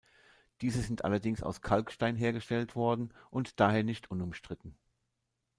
Diese sind allerdings aus Kalkstein hergestellt worden und daher nicht unumstritten.